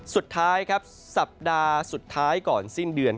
สุดท้ายครับสัปดาห์สุดท้ายก่อนสิ้นเดือน